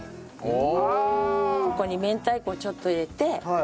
ここに明太子をちょっと入れて炒めると。